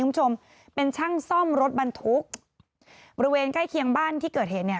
คุณผู้ชมเป็นช่างซ่อมรถบรรทุกบริเวณใกล้เคียงบ้านที่เกิดเหตุเนี่ย